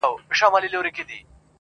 كله، ناكله غلتيږي څــوك غوصه راځـي~